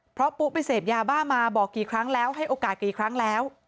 เพราะปุ๊ไปเสพยาบ้ามาบอกกี่ครั้งแล้วให้โอกาสกี่ครั้งแล้ว